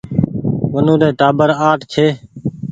ونو ري ٽآٻر اٺ ڇي